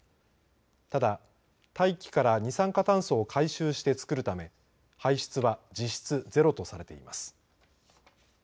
ただ、大気から二酸化炭素を回収して作るため排出は実質ゼロとされています。